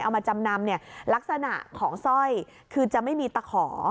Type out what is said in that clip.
เอามาจำนำเนี่ยลักษณะของสร้อยคือจะไม่มีตะขอ